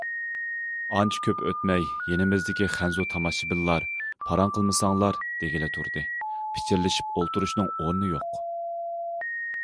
ئانچە كۆپ ئۆتمەي يېنىمىزدىكى خەنزۇ تاماشىبىنلار‹‹ پاراڭ قىلمىساڭلار›› دېگىلى تۇردى، پىچىرلىشىپ ئولتۇرۇشنىڭ ئورنى يوق.